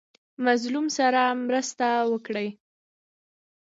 مظلوم سره مرسته وکړئ